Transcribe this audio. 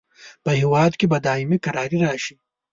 په هیواد کې به دایمي کراري راشي.